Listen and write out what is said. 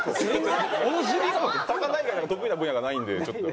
魚以外の得意な分野がないんでちょっと。